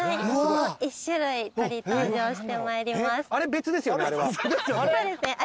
もう１種類鳥登場してまいります。